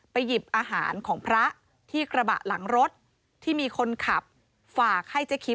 หยิบอาหารของพระที่กระบะหลังรถที่มีคนขับฝากให้เจ๊คิม